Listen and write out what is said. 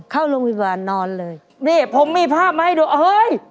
เข้าโรงพยาบาลนอนเลยนี่ผมมีภาพมาให้ดูเฮ้ย